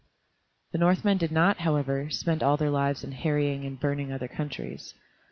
The Northmen did not, however, spend all their lives in harrying and burning other countries.